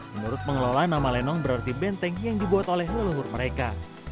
menurut pengelola nama lenong berarti benteng yang dibuat oleh leluhur mereka